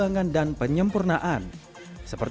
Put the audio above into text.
sehingga dapat mengukur kadar alkohol dengan tepat